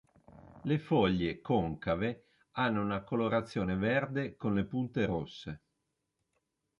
Le foglie, concave, hanno una colorazione verde con le punte rosse.